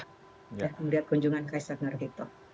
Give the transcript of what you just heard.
melihat kunjungan kaisar nargito